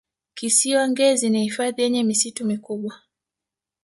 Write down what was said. kisiwa ngezi ni hifadhi yenye misitu mikubwa